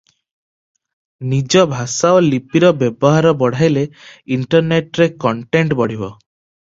ନିଜ ଭାଷା ଓ ଲିପିର ବ୍ୟବହାର ବଢ଼ାଇଲେ ଇଣ୍ଟରନେଟରେ କଣ୍ଟେଣ୍ଟ ବଢ଼ିବ ।